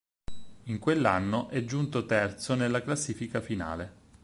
In quell'anno è giunto terzo nella classifica finale.